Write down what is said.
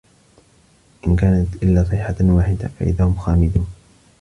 إِن كانَت إِلّا صَيحَةً واحِدَةً فَإِذا هُم خامِدونَ